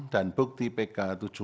dan bukti pk tujuh puluh empat